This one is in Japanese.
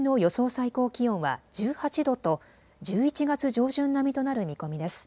最高気温は１８度と１１月上旬並みとなる見込みです。